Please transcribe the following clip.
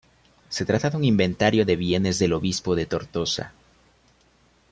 Se trata de un inventario de bienes del obispo de Tortosa.